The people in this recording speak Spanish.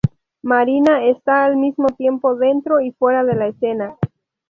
Marina está al mismo tiempo dentro y fuera de la escena.